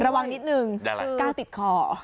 ระวังนิดนึงกล้างติดคอ